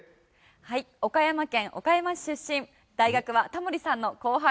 はい岡山県岡山市出身大学はタモリさんの後輩です。